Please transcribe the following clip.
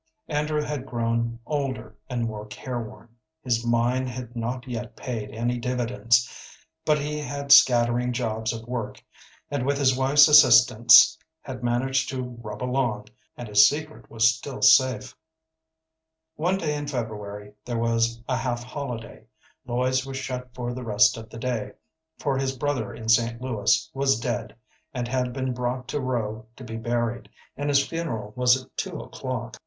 Andrew had grown older and more careworn; his mine had not yet paid any dividends, but he had scattering jobs of work, and with his wife's assistance had managed to rub along, and his secret was still safe. One day in February there was a half holiday. Lloyd's was shut for the rest of the day, for his brother in St. Louis was dead, and had been brought to Rowe to be buried, and his funeral was at two o'clock.